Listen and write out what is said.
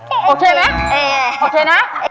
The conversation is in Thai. โอเคไหมโอเคนะ